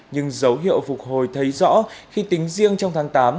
nhưng dấu hiệu phục hồi thấy rõ khi tính riêng trong tháng tám